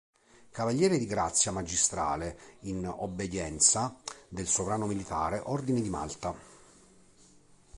Cavaliere di grazia magistrale in obbedienza del Sovrano militare ordine di Malta.